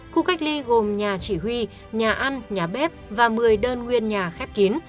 khu cách ly gồm nhà chỉ huy nhà ăn nhà bếp và một mươi đơn nguyên nhà khép kín